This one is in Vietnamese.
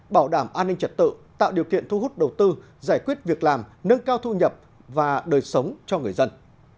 bảo đảm an ninh trật tự tạo điều kiện thu hút đầu tư giải quyết việc làm nâng cao thu nhập và đời sống cho người dân